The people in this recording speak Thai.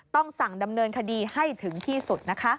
ต้องสั่งดำเนินคดีให้ถึงที่สุดนะคะ